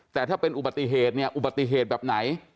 แต่ถ้าเป็นอุบัติเหตุเนี่ยอุบัติเหตุแบบไหน